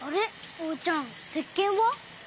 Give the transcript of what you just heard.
おうちゃんせっけんは？